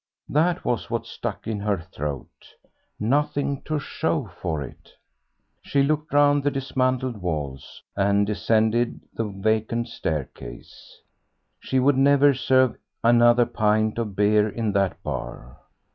That was what stuck in her throat. Nothing to show for it. She looked round the dismantled walls, and descended the vacant staircase. She would never serve another pint of beer in that bar.